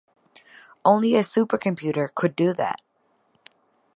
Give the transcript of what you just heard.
Only a supercomputer could do that.